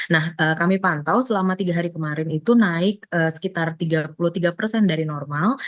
nah kami pantau selama tiga hari kemarin itu naik sekitar tiga puluh tiga persen dari normal